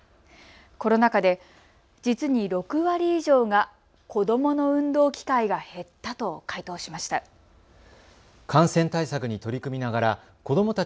コロナ禍で実に６割以上が子どもの運動機会が減ったと回答しました。